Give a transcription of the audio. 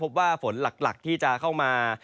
ว่าฝนหลักที่จะเข้ามา